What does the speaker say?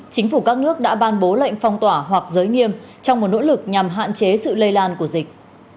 chính phủ các nước đã ban bố lệnh phong tỏa hoặc giới nghiêm trong một nỗ lực nhằm hạn chế sự lây lan của dịch